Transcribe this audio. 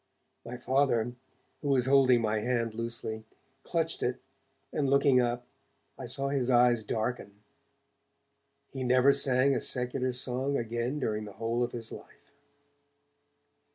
My Father, who was holding my hand loosely, clutched it, and looking up, I saw his eyes darken. He never sang a secular song again during the whole of his life.